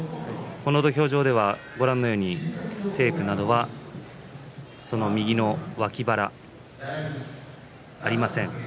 この土俵上ではご覧のようにテープなどは右脇腹、ありません。